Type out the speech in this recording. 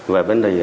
về vấn đề